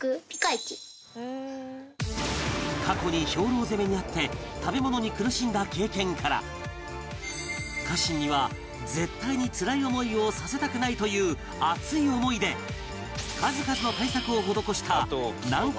過去に兵糧攻めにあって食べ物に苦しんだ経験から家臣には絶対につらい思いをさせたくないという熱い思いで数々の対策を施した難攻不落の城